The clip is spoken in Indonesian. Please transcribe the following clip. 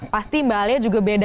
pasti mbak alia juga beda